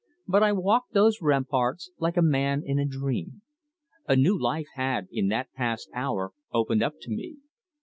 But I walked those ramparts like a man in a dream. A new life had, in that past hour, opened up to me.